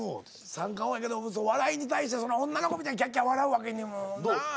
三冠王やけど笑いに対して女の子みたいにキャッキャッ笑うわけにもなぁ。